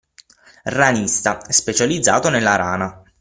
“Ranista”: Specializzato nella rana.